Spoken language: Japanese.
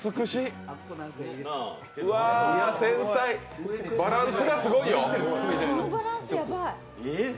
うわー、繊細、バランスがすごいよ。